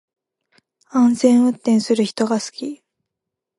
安全運転する人が好き